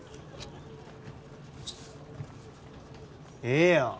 ええやん！